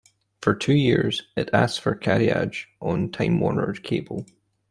For two years, it asked for carriage on Time Warner Cable.